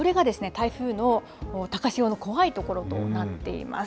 台風の高潮の怖いところとなっています。